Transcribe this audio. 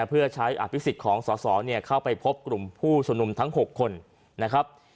เพื่อใช้อภิษฎของสอสอเข้าไปพบกลุ่มผู้ชมนุมทั้ง๖คนนะครับ